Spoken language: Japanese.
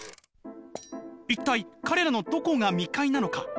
「一体彼らのどこが未開なのか？